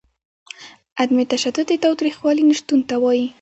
عدم تشدد د تاوتریخوالي نشتون ته وايي.